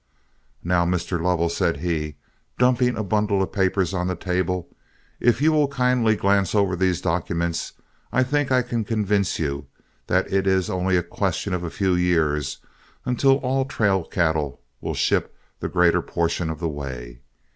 "Now, Mr. Lovell," said he, dumping a bundle of papers on the table, "if you will kindly glance over these documents, I think I can convince you that it is only a question of a few years until all trail cattle will ship the greater portion of the way.